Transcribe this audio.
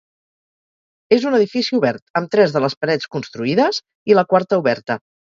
És un edifici obert, amb tres de les parets construïdes, i la quarta oberta.